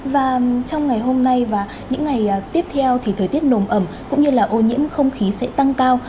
và trong ngày hôm nay và những ngày tiếp theo thì thời tiết nồm ẩm cũng như là ô nhiễm không khí sẽ tăng cao